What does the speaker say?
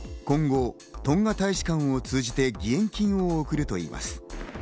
今後、トンガ大使館を通じて義援金を送るといいます。